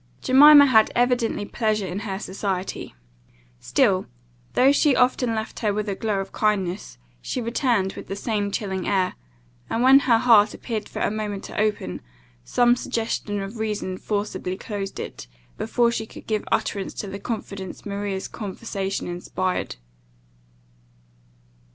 Jemima had evidently pleasure in her society: still, though she often left her with a glow of kindness, she returned with the same chilling air; and, when her heart appeared for a moment to open, some suggestion of reason forcibly closed it, before she could give utterance to the confidence Maria's conversation inspired.